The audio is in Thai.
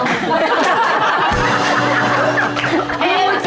อะไรมั้ยครับ